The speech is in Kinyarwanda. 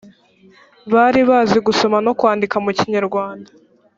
bari bazi gusoma no kwandika mu kinyarwanda